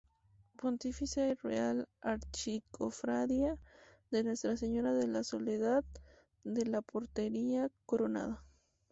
Pontificia y Real Archicofradía de Nuestra Señora de la Soledad de la Portería Coronada.